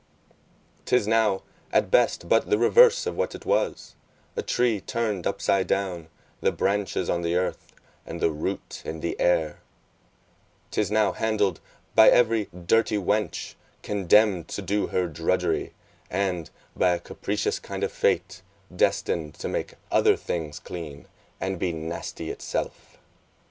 'Tis now at best but the reverse of what it was, a tree turned upside down, the branches on the earth, and the root in the air: 'tis now handled by every dirty wench, condemned to do her drudgery, and, by a capricious kind of fate, destined to make other things clean, and be nasty itself.